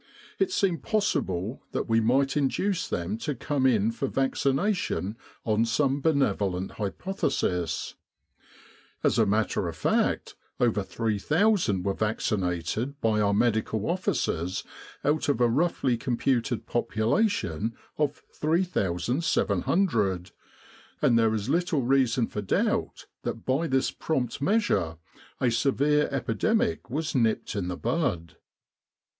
It seemed possible that we might induce them to come in for vaccination on some benevolent hypothesis. As a matter of fact, over 3,000 were vaccinated by our M.O.'s out of a roughly computed population of 3,700, and there is little reason for doubt that by this prompt measure a severe epidemic was nipped in the bud.